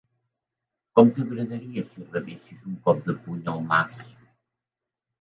Com t'agradaria si rebessis un cop de puny al nas?